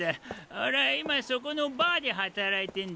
俺は今そこのバーで働いてんだ。